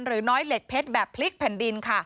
หรือน้อยเหล็กเพชรแบบพลิกแผ่นดินค่ะ